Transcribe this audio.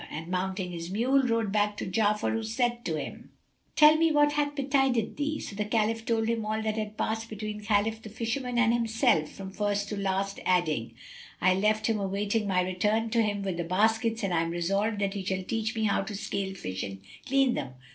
and, mounting his mule, rode back to Ja'afar, who said to him, "Tell me what hath betided thee." So the Caliph told him all that had passed between Khalif the Fisherman and himself, from first to last, adding, "I left him awaiting my return to him with the baskets and I am resolved that he shall teach me how to scale fish and clean them."